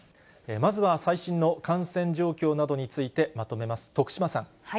まずは最新の感染状況などについてまとめます、徳島さん。